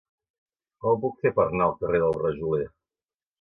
Com ho puc fer per anar al carrer del Rajoler?